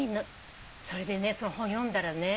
それでねその本読んだらね